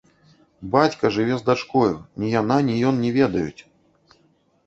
Бацька жыве з дачкою, ні яна, ні ён не ведаюць!